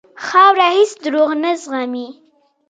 خاوره هېڅ دروغ نه زغمي.